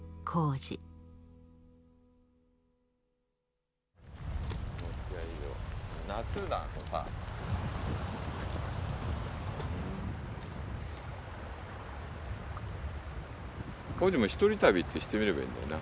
絋司も１人旅ってしてみればいいんだよな。